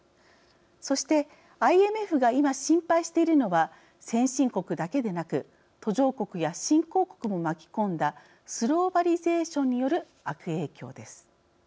そしてＩＭＦが今心配しているのは先進国だけでなく途上国や新興国も巻き込んだスローバリゼーションによる悪影響です。